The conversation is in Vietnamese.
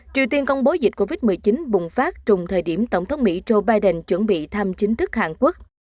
triều tiên công bố dịch covid một mươi chín bùng phát trùng thời điểm tổng thống mỹ joe biden chuẩn bị thăm chính thức hàn quốc